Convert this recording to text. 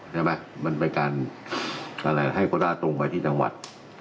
ใช่ไหมมันเป็นการตอนนี้ให้คูต้าตรงไปที่จังหวัด